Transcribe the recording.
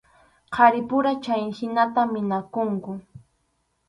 Qharipura chayhinata ninakunku.